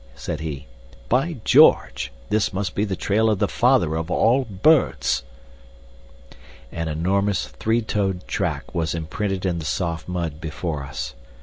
said he. "By George, this must be the trail of the father of all birds!" An enormous three toed track was imprinted in the soft mud before us.